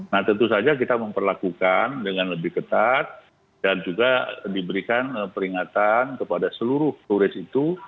nah tentu saja kita memperlakukan dengan lebih ketat dan juga diberikan peringatan kepada seluruh turis itu